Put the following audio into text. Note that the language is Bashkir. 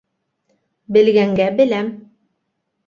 Белгәнгә беләм.